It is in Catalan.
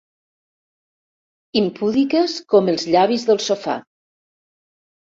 Impúdiques com els llavis del sofà.